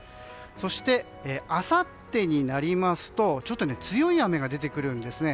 そして、あさってになりますと強い雨が出てくるんですね。